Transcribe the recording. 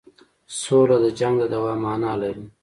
سوله د جنګ د دوام معنی لري.